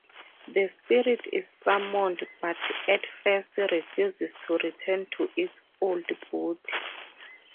The spirit is summoned, but, at first, refuses to return to its old body.